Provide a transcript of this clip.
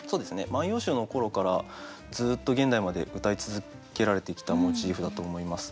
「万葉集」の頃からずっと現代までうたい続けられてきたモチーフだと思います。